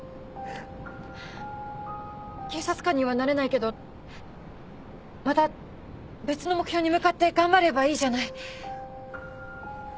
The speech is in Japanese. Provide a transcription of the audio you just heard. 警察官にはなれないけどまた別の目標に向かって頑張ればいいじゃない